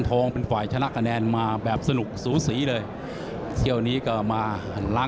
ต้อนรับต่อสูญการแข็งแก่ตอเป็นใครครับ